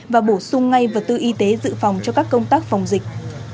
và bổ sung ngay vật tư y tế dự phòng cho các công tác phòng dịch